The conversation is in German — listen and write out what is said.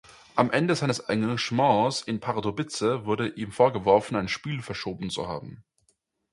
Am Ende seines Engagements in Pardubice wurde ihm vorgeworfen, ein Spiel verschoben zu haben.